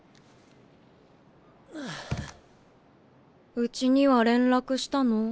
うちには連絡したの？